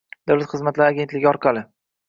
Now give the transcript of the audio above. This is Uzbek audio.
dalat xizmatlari agentligi orqali;